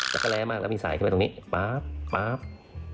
แกะแหลมากแล้วมีสายเข้าไปตรงนี้ป๊าปป้าปป